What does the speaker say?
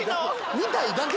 見たいだけ。